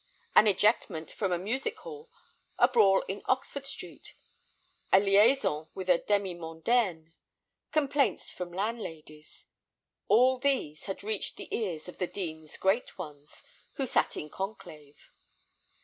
An ejectment from a music hall, a brawl in Oxford Street, a liaison with a demi mondaine, complaints from landladies, all these had reached the ears of the Dean's "great ones" who sat in conclave.